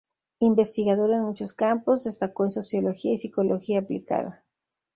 Investigador en muchos campos, destacó en sociología y psicología aplicada.